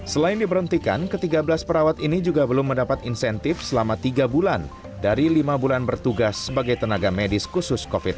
selain diberhentikan ke tiga belas perawat ini juga belum mendapat insentif selama tiga bulan dari lima bulan bertugas sebagai tenaga medis khusus covid sembilan belas